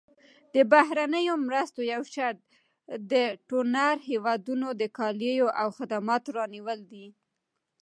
د بهرنیو مرستو یو شرط د ډونر هېوادونو د کالیو او خدماتو رانیول دي.